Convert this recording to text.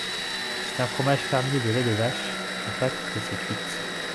C'est un fromage fermier de lait de vache à pâte pressée cuite.